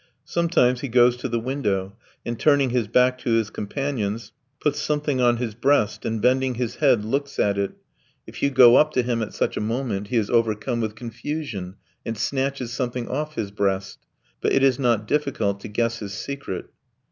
Sometimes he goes to the window, and turning his back to his companions, puts something on his breast, and bending his head, looks at it; if you go up to him at such a moment, he is overcome with confusion and snatches something off his breast. But it is not difficult to guess his secret.